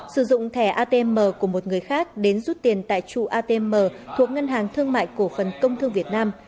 sử dụng thẻ atm của một người khác đến rút tiền tại trụ atm thuộc ngân hàng thương mại cổ phần công thương việt nam